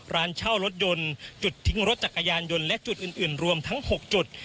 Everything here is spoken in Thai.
ร้านเช่ารถยนต์จุดทิ้งรถจักรยานยนต์และจุดอื่นรวมทั้ง๖จุด